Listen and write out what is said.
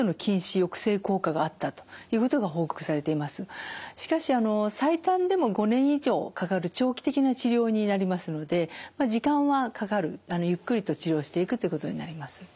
代表的なものがしかし最短でも５年以上かかる長期的な治療になりますので時間はかかるゆっくりと治療していくということになります。